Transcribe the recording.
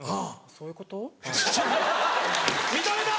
そういうこと？